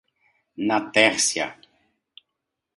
Natércia